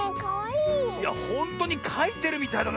いやほんとにかいてるみたいだな